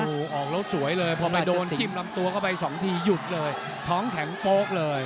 โอ้โหออกแล้วสวยเลยพอไปโดนจิ้มลำตัวเข้าไปสองทีหยุดเลยท้องแข็งโป๊กเลย